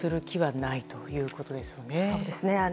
気はないということですよね。